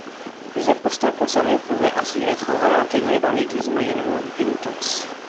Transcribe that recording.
Les apostats concernés pouvaient ainsi être réintégrés dans l'Église moyennant une pénitence.